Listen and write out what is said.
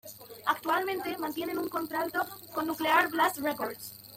Actualmente mantienen un contrato con Nuclear Blast records.